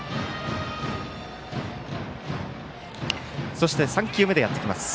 そして３球目でやってきます。